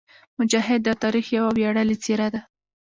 مجاهد د تاریخ یوه ویاړلې څېره ده.